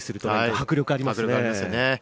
迫力ありますよね。